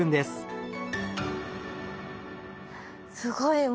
すごい。